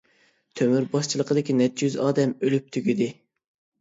تۆمۈر باشچىلىقىدىكى نەچچە يۈز ئادەم ئۆلۈپ تۈگىدى.